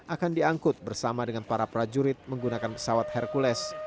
akan diangkut bersama dengan para prajurit menggunakan pesawat hercules